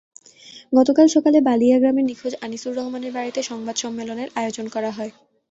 গতকাল সকালে বালিয়া গ্রামের নিখোঁজ আনিসুর রহমানের বাড়িতে সংবাদ সম্মেলনের আয়োজন করা হয়।